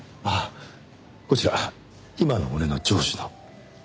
ああこちら今の俺の上司の。